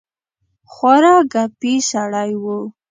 خورا ګپي سړی وو.